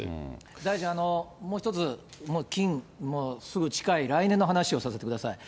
大臣、もう一つ、すぐ近い来年の話をさせてください。